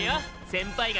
先輩方。